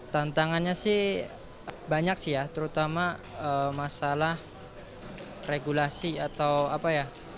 tantangannya sih banyak sih ya terutama masalah regulasi atau apa ya